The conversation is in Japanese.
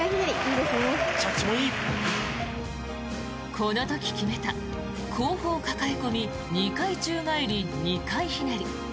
この時決めた後方かかえ込み２回宙返り２回ひねり。